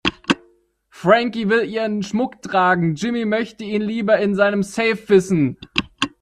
Frankie will ihren Schmuck tragen, Jimmy möchte ihn lieber in seinem Safe wissen.